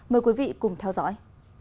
mời quý vị cùng theo dõi